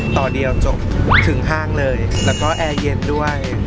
ต่อเดียวจบถึงห้างเลยแล้วก็แอร์เย็นด้วย